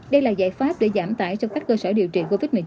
đây là giải pháp để giảm tải cho các cơ sở điều trị covid một mươi chín